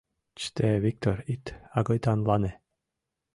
Чыте, Виктор, ит агытанлане!